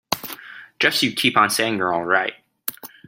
Just you keep on saying you're all right.